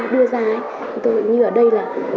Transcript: đưa ra ấy